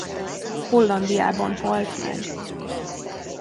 Hollandiában halt meg.